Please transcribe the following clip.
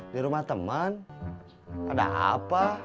di rumah teman ada apa